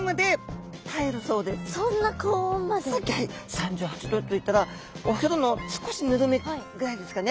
３８℃といったらお風呂の少しぬるめぐらいですかね。